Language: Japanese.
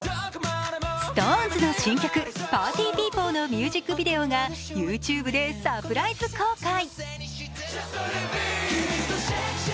ＳｉｘＴＯＮＥＳの新曲「ＰＡＲＴＹＰＥＯＰＬＥ」のミュージックビデオがＹｏｕＴｕｂｅでサプライズ公開。